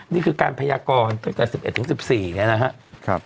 นี่คือการพยากรตั้งแต่๑๑๑๔เนี่ยนะฮะ